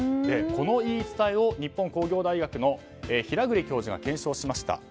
この言い伝えを日本工業大学の平栗教授が検証しました。